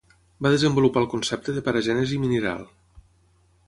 Va desenvolupar el concepte de paragènesi mineral.